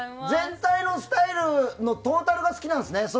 全体のスタイルのトータルが好きなんですね。